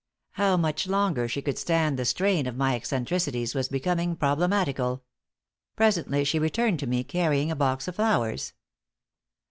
How much longer she could stand the strain of my eccentricities was becoming problematical. Presently she returned to me, carrying a box of flowers.